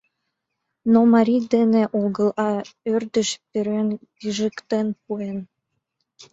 Но марий дене огыл, а ӧрдыж пӧръеҥ пижыктен пуэн.